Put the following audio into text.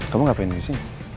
kamu ngapain di sini